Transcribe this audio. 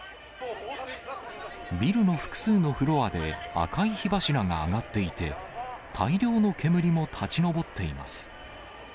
ビルの複数のフロアで赤い火柱が上がっていて、大量の煙も立ち上っています。